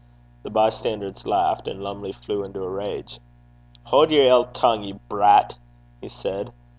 The bystanders laughed, and Lumley flew into a rage. 'Haud yer ill tongue, ye brat,' he said.